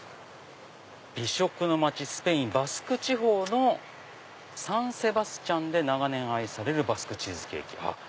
「美食の街スペイン・バスク地方のサンセバスチャンで長年愛されるバスクチーズケーキ」。